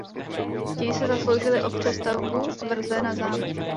Ti se zasloužili o přestavbu tvrze na zámek.